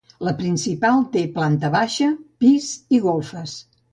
La principal té planta baixa, pis i golfes.